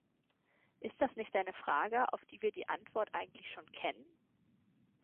Ist das nicht eine Frage, auf die wir die Antwort eigentlich schon kennen?